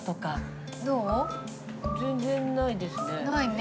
全然ないですね。